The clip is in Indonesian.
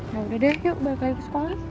yaudah deh yuk balik lagi bersama sama